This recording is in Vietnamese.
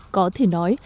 có thể nói